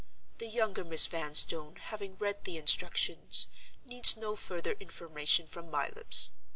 The younger Miss Vanstone having read the Instructions, needs no further information from my lips.